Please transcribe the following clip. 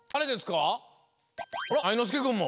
あらあいのすけくんも！